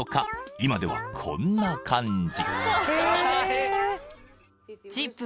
今ではこんな感じ］